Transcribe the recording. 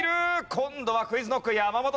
今度はＱｕｉｚＫｎｏｃｋ山本さん。